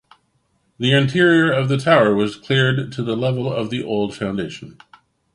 The interior of the tower was cleared to the level of the old foundation.